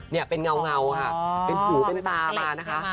เนี่ยเป็นเงาค่ะเป็นหูเป็นตามานะคะ